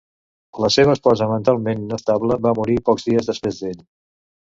La seva esposa mentalment inestable va morir pocs dies després d'ell.